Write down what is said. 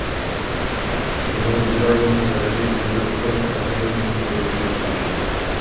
Jeho dílo je možno zařadit hned do několika kategorií moderního umění.